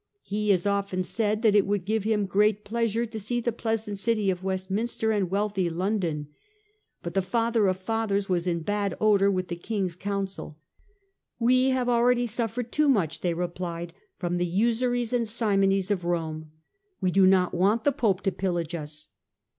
He has often said that it would give him great pleasure to see the pleasant city of Westminster, and wealthy London." But the Father of Fathers was in bad odour with the King's Council. " We have already suffered too much," they replied, " from the usuries and simonies of Rome ; we do not want the Pope to pillage us."